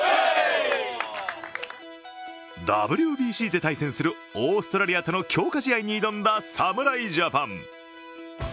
ＷＢＣで対戦するオーストラリアとの強化試合に挑んだ侍ジャパン。